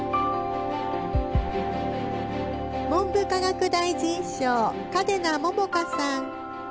文部科学大臣賞嘉手納杏果さん。